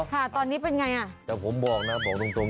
ค่ะตอนนี้เป็นอย่างไร